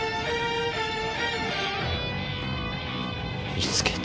見つけた。